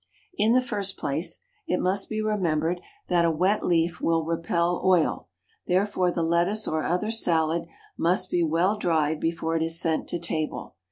In the first place it must be remembered that a wet leaf will repel oil, therefore the lettuce or other salad must be well dried before it is sent to table.